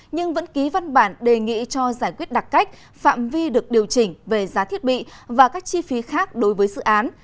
nhưng vẫn ký văn bản đề nghị cho giải quyết đặc cách phạm vi được điều chỉnh về giá thiết bị và các chi phí khác đối với dự án